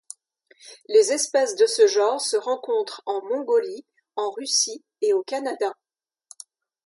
Les espèces de ce genre se rencontrent en Mongolie, en Russie et au Canada.